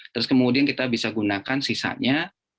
terus kemudian kita bisa gunakan sisanya